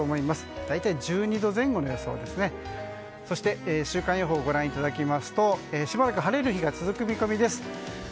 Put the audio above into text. そして週間予報をご覧いただきますとしばらく晴れる日が続く見込みです。